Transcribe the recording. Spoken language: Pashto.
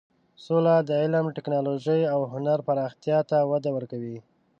سوله د علم، ټکنالوژۍ او هنر پراختیا ته وده ورکوي.